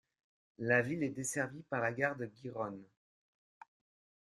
La ville est desservie par la gare de Gijón.